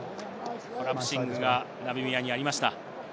コラプシングがナミビアにありました。